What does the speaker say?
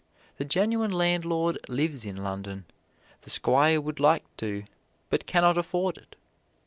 The genuine landlord lives in London; the squire would like to but can not afford it.